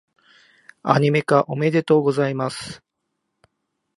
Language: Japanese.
アニメ化、おめでとうございます！